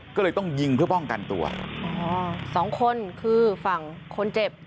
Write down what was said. ก็เลยต้องยิงเพื่อป้องกันตัวอ๋อสองคนคือฝั่งคนเจ็บ